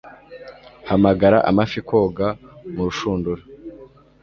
Hamagara amafi koga murushundura,